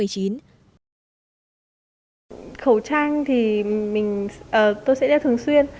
khẩu trang thì tôi sẽ đeo thường xuyên